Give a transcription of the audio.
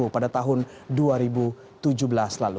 pada tahun dua ribu tujuh belas lalu